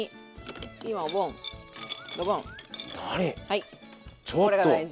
はいこれが大事。